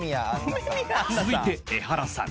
［続いてエハラさん］